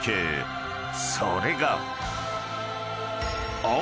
［それが］